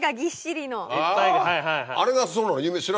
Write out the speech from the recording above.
あぁあれがそうなの？